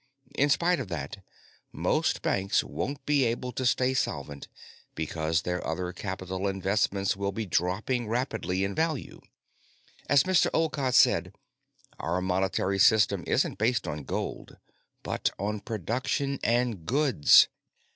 "In spite of that, most banks won't be able to stay solvent because their other capital investments will be dropping rapidly in value. As Mr. Olcott said, our monetary system isn't based on gold, but on production and goods.